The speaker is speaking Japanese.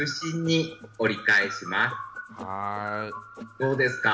どうですか。